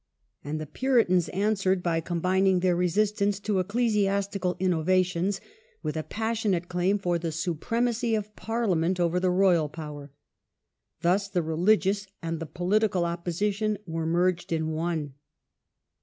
And the Puritans answered by combining their resistance to ecclesiastical "innovations" with a passionate claim for the supremacy of Parliament over the royal power. Thus the religious and the political opposition were merged in one.